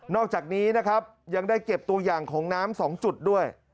อกจากนี้นะครับยังได้เก็บตัวอย่างของน้ำ๒จุดด้วย